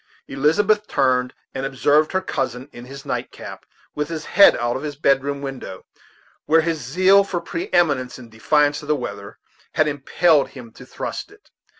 Elizabeth turned and observed her cousin in his night cap, with his head out of his bedroom window, where his zeal for pre eminence, in defiance of the weather, had impelled him to thrust it.